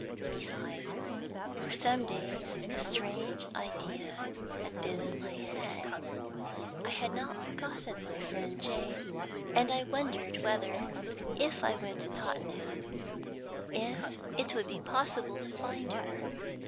Besides, for some days a strange idea had been in my head. I had not forgotten my friend Jane, and I wondered whether, if I went to Tottenham, it would be possible to find her.